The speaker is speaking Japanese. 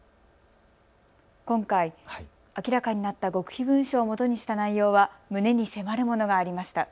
今回、明らかになった極秘文書をもとにした内容は胸に迫るものがありました。